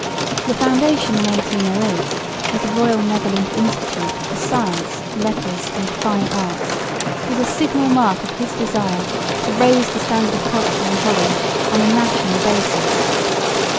The foundation in 1808 of the "Royal Netherland Institute for Science, Letters and the Fine Arts" was a signal mark of his desire to raise the standard of culture in Holland on a national basis.